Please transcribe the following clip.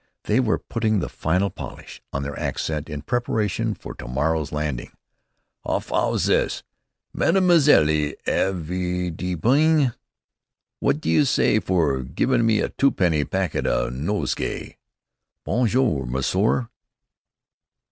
They were putting the final polish on their accent in preparation for to morrow's landing. "Alf, 'ow's this: 'Madamaselly, avay vu dee pang?'" "Wot do you s'y for 'Gimme a tuppenny packet o' Nosegay'?" "'Bonjoor, Monseer!'